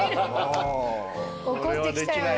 怒ってきたよね。